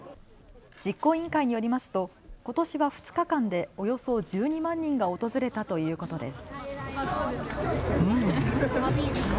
実行委員会によりますとことしは２日間でおよそ１２万人が訪れたということです。